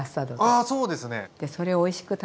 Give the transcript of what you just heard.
あそうですね。